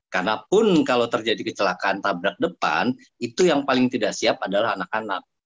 karena pun kalau terjadi kecelakaan tabrak depan itu yang paling tidak siap adalah anak anak